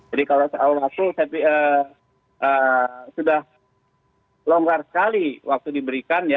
jadi kalau soal rkuhp sudah longgar sekali waktu diberikan